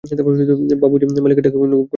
বাবুজি মালিকের টাকা পরিশোধ করেনি।